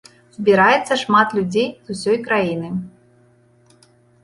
Збіраецца шмат людзей з усёй краіны.